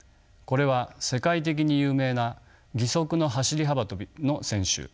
これは世界的に有名な義足の走り幅跳びの選手